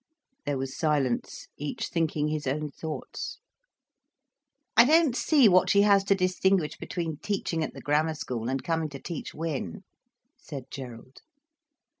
There was silence, each thinking his own thoughts. "I don't see what she has to distinguish between teaching at the Grammar School, and coming to teach Win," said Gerald.